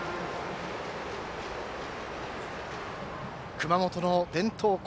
熊本の伝統校